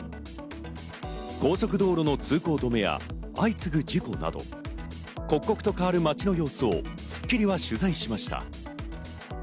高速道路の通行止めや相次ぐ事故など、刻々と変わる街の様子を『スッキリ』は取材しました。